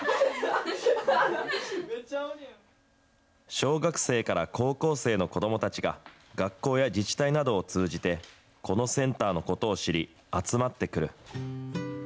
小学生から高校生の子どもたちが、学校や自治体などを通じてこのセンターのことを知り、集まってくる。